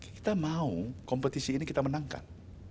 kita mau kompetisi ini kita menangkan